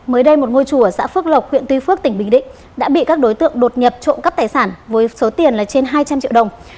mới đây một ngôi chùa ở xã phước lộc huyện tuy phước tỉnh bình định đã bị các đối tượng đột nhập trộm cắp tài sản với số tiền là trên hai trăm linh triệu đồng